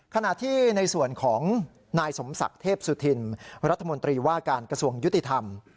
ขณะที่ในส่วนของนายสมศักดิ์เทพสุธินรัฐมนตรีว่าการกระทรวงยุติธรรม